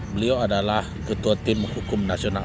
beliau adalah ketua tim hukum nasional